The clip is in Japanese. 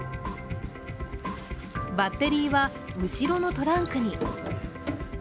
バッテリーは後ろのトランクに。